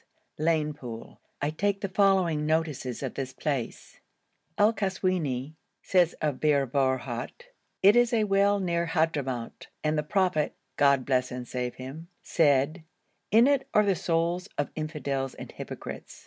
Lane Poole, I take the following notices of this place: El Kaswini says of Bir Borhut: 'It is a well near Hadhramout and the Prophet (God bless and save him) said "In it are the souls of infidels and hypocrites."